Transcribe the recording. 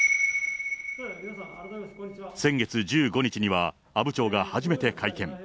先月１５日には、阿武町が初めて会見。